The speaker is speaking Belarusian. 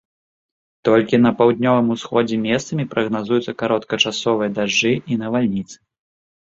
Толькі на паўднёвым усходзе месцамі прагназуюцца кароткачасовыя дажджы і навальніцы.